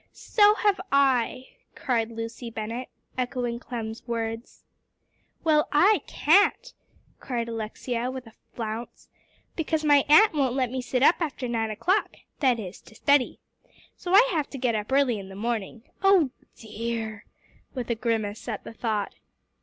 "So have I," cried Lucy Bennett, echoing Clem's words. "Well, I can't," cried Alexia with a flounce, "because my aunt won't let me sit up after nine o'clock; that is, to study. So I have to get up early in the morning. Oh dear!" with a grimace at the thought.